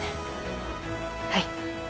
はい。